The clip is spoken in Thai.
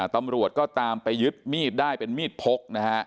ตำรวจก็ตามไปยึดมีดได้เป็นมีดพกนะฮะ